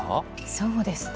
そうですね